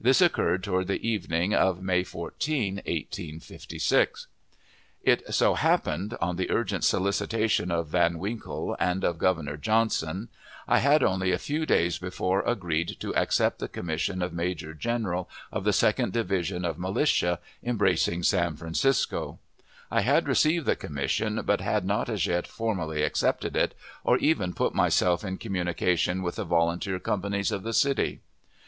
This occurred toward the evening of May 14, 1856. It so happened that, on the urgent solicitation of Van Winkle and of Governor Johnson; I had only a few days before agreed to accept the commission of major general of the Second Division of Militia, embracing San Francisco. I had received the commission, but had not as yet formally accepted it, or even put myself in communication with the volunteer companies of the city.